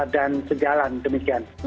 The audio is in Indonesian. dan sejalan demikian